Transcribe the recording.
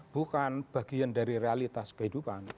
bukan bagian dari realitas kehidupan